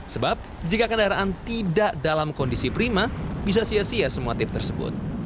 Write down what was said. sebab jika kendaraan tidak dalam kondisi prima bisa sia sia semua tip tersebut